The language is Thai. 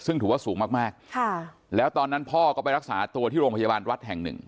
ซึ่งถือว่าสูงมากมากค่ะแล้วตอนนั้นพ่อก็ไปรักษาตัวที่โรงพยาบาลวัดแห่งหนึ่ง